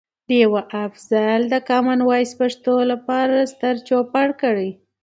ډیوه افضل د کمان وایس پښتو لپاره ستر چوپړ کړي.